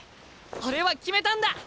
俺は決めたんだ！